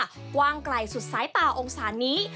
กว้างไกลสุดสายตาองศานี้